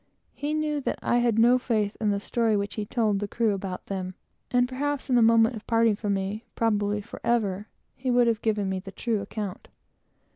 He knew that I had no faith in the story which he told the crew, and perhaps, in the moment of parting from me, probably forever, he would have given me the true account.